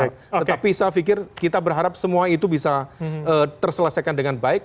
tetapi saya pikir kita berharap semua itu bisa terselesaikan dengan baik